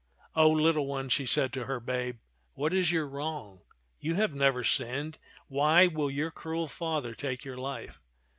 O little one," she said to her babe, "what is your wrong? You have never sinned; why will your cruel father take your life